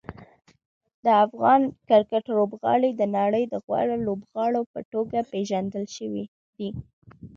د افغان کرکټ لوبغاړي د نړۍ د غوره لوبغاړو په توګه پېژندل شوي دي.